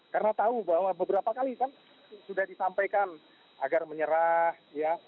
karena tahu bahwa beberapa kali kan sudah disampaikan agar menyerah ya